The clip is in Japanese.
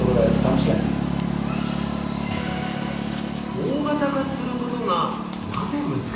大型化することがなぜ難しいのか？